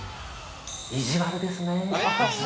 意地悪ですねー。